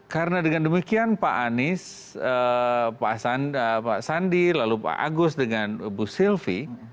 karena dengan demikian pak anies pak sandi lalu pak agus dengan bu sylvi